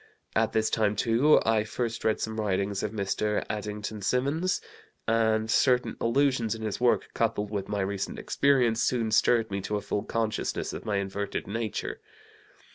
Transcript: At this time, too, I first read some writings of Mr. Addington Symonds, and certain allusions in his work, coupled with my recent experience, soon stirred me to a full consciousness of my inverted nature.